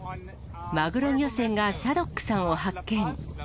マグロ漁船がシャドックさんを発見。